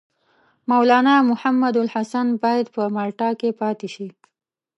مولنا محمودالحسن باید په مالټا کې پاته شي.